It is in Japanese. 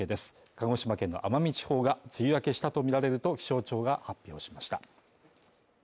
鹿児島県の奄美地方が梅雨明けしたとみられると気象庁が発表しました。